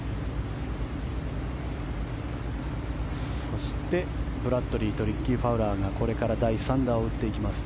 そして、ブラッドリーとリッキー・ファウラーがこれから第３打を打っていきます。